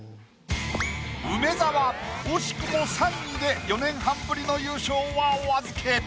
梅沢惜しくも３位で４年半ぶりの優勝はお預け。